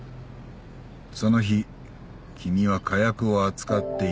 その日君は火薬を扱っていない。